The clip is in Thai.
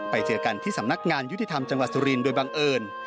ไปเจอกันที่สำนักงานยุติธรรมจังหวัดสุรินทร์โดยบังเอิญ